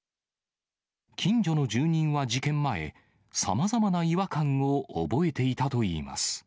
近所の住人は事件前、さまざまな違和感を覚えていたといいます。